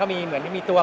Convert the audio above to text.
kabeh perawatan tiga anak